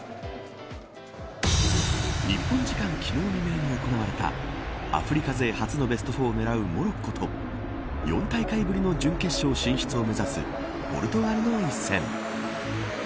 日本時間昨日未明に行われたアフリカ勢初のベスト４を狙うモロッコと４大会ぶりの準決勝進出を目指すポルトガルの一戦。